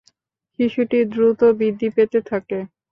শিশুটি দ্রুত বৃদ্ধি পেতে থাকে।